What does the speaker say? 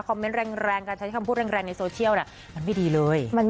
คอมเม้นท์แรงอยู่ในโซเชียลนะมันไม่ดีเลย